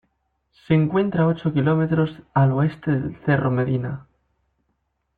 Se encuentra a ocho kilómetros al oeste del Cerro Medina.